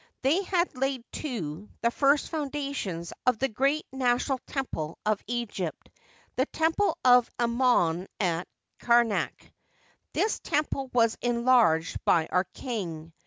They had laid, too, the first foundations of the great national temple of Egypt — the temple of Amon at Kamak. This temple was enlarged by our king.